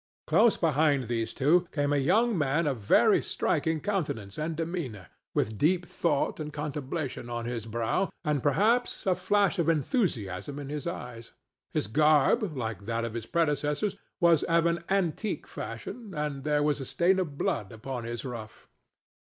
Close behind these two came a young man of very striking countenance and demeanor with deep thought and contemplation on his brow, and perhaps a flash of enthusiasm in his eye; his garb, like that of his predecessors, was of an antique fashion, and there was a stain of blood upon his ruff.